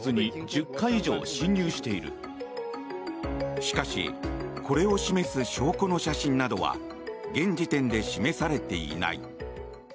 しかしこれを示す証拠の写真などは現時点で示されていない。